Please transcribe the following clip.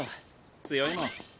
強いもん。